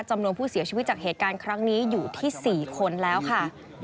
จำนวนผู้เสียชีวิตจากเหตุการณ์ครั้งนี้อยู่ที่๔คนแล้วค่ะ